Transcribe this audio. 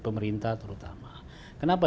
pemerintah terutama kenapa